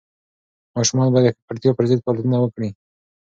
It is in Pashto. ماشومان باید د ککړتیا پر ضد فعالیتونه وکړي.